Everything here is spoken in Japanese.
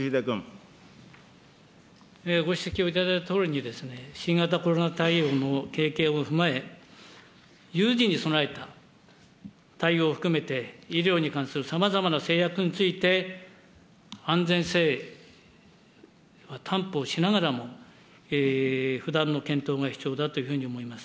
ご指摘をいただいたとおりに、新型コロナ対応の経験を踏まえ、有事に備えた対応を含めて、医療に関するさまざまな制約について、安全性担保しながらも、不断の検討が必要だというふうに思います。